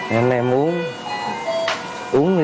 nên em uống